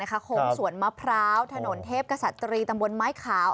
โค้งสวนมะพร้าวถนนเทพกษัตรีตำบลไม้ขาว